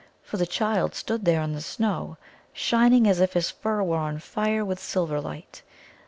For the child stood there in the snow, shining as if his fur were on fire with silver light.